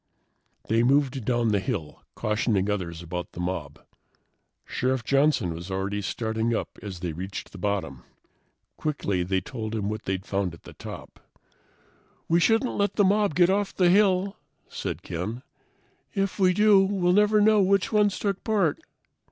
They moved down the hill, cautioning others about the mob. Sheriff Johnson was already starting up as they reached the bottom. Quickly, they told him what they'd found at the top. "We shouldn't let the mob get off the hill," said Ken. "If we do, we'll never know which ones took part."